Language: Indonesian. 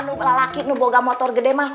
lelaki yang mengantarkan motor besar